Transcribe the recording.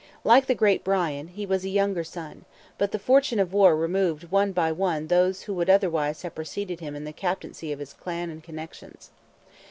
Like the great Brian, he was a younger son, but the fortune of war removed one by one those who would otherwise have preceded him in the captaincy of his clan and connections.